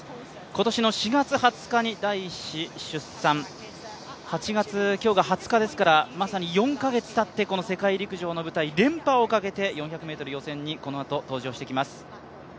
今年の４月２０日に第１子出産、今日が今日が８月２０日ですからまさに４か月たってこの世界陸上の舞台連覇をかけて４００ｍ予選に登場していきます。